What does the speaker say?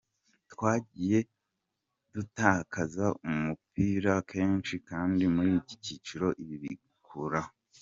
Twagiye dutakaza umupira kenshi kandi muri iki cyiciro ibi bigukoraho.